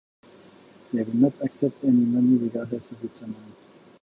They will not accept any money regardless of its amount.